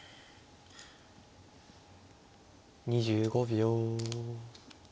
２５秒。